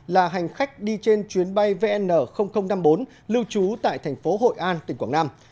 là hành khách đi trên chuyến bay vn năm mươi bốn lưu trú tại thành phố hội an tỉnh quảng nam